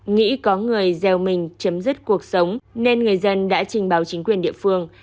nghĩ có người gieo mình chấm dứt cuộc sống nên người dân đã trình báo chính quyền địa phương